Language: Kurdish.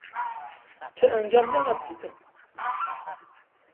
Ti encam nehat dîtin?